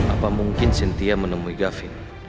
apa mungkin cynthia menemui gavin